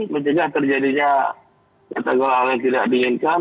mencegah terjadinya kata kata hal yang tidak diinginkan